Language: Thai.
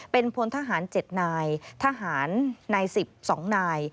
เป็นพลทหาร๗นายทหารนาย๑๒นาย